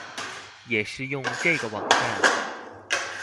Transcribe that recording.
也是用這個網站